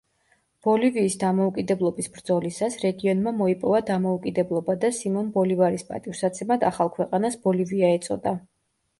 ბოლივიის დამოუკიდებლობის ბრძოლისას, რეგიონმა მოიპოვა დამოუკიდებლობა და სიმონ ბოლივარის პატივსაცემად, ახალ ქვეყანას ბოლივია ეწოდა.